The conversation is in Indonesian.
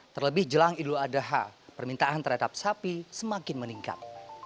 terlebih jelang idul adha permintaan terhadap sapi semakin meningkat